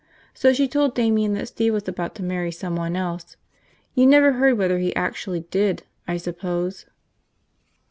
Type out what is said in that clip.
So she told Damian that Steve was about to marry someone else. You never heard whether he actually did, I suppose?"